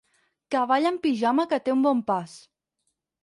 Cavall amb pijama que té un bon pas.